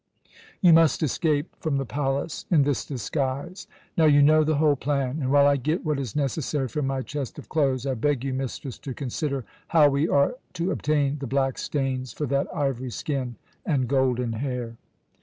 You must escape from the palace in this disguise. Now you know the whole plan, and while I get what is necessary from my chest of clothes, I beg you, mistress, to consider how we are to obtain the black stains for that ivory skin and golden hair."